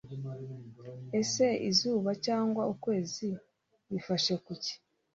Ese izuba cyangwa ukwezi bifashe kuki